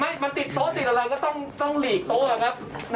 ไม่มันติดโต๊ะติดอะไรก็ต้องหลีกโต๊ะครับ